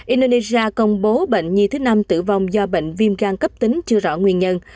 indonesia công bố bệnh nhi thứ năm tử vong do bệnh viêm gan cấp tính chưa rõ nguyên nhân